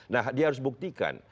nah dia harus buktikan